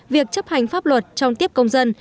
việc chấp hành pháp luật trong tiếp công dân